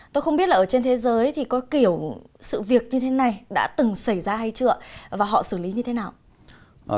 tôi không biết là ở trên thế giới thì có kiểu sự việc như thế này đã từng xảy ra hay chưa và họ xử lý như thế nào